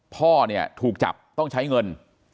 พ่อเนี่ยถูกจับต้องใช้เงิน